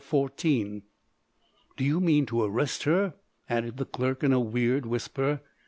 "Do you mean to arrest her?" added the clerk in a weird whisper.